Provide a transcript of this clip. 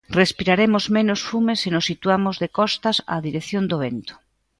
Respiraremos menos fume se nos situamos de costas á dirección do vento.